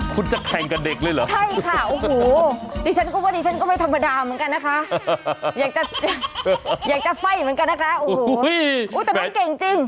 คุณจะแข่งกับเด็กเลยหรือ